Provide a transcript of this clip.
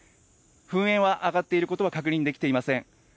噴煙は上っていることは確認できていません。